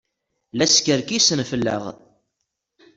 La skerkisen fell-aɣ.